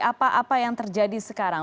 apa apa yang terjadi sekarang